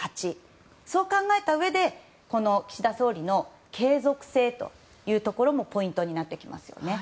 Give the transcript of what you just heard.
そう考えたうえで岸田総理の継続性というところもポイントになってきますよね。